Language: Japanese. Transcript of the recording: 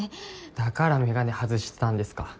だから眼鏡外してたんですか。